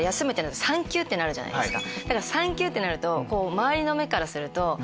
産休ってのあるじゃないですか。